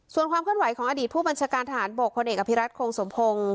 ส่วนความเคลื่อนไหวของอดีตผู้บัญชาการทหารบกพลเอกอภิรัตโครงสมพงศ์